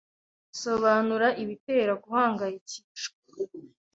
Sobanura ibitera guhangayikishwa